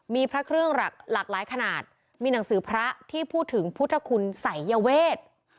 มีพระเครื่องหลากหลายขนาดมีหนังสือพระที่พูดถึงพุทธคุณสายเวท